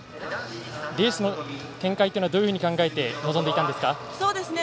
レースの展開というのはどういうふうに考えて臨んでいたんですか？